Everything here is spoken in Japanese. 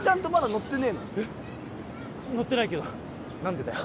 乗ってないけど何でだよ